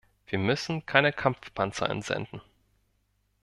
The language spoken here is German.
Wir müssen keine Kampfpanzer entsenden.